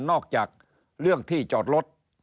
อกจากเรื่องที่จอดรถ